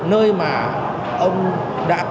nơi mà ông đã có